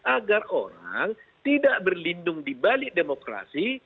agar orang tidak berlindung dibalik demokrasi